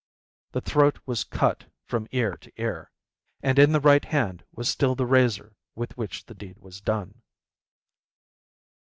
The throat was cut from ear to ear, and in the right hand was still the razor with which the deed was done.